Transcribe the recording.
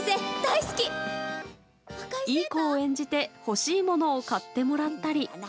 いい子を演じて欲しいものを買ってもらったり。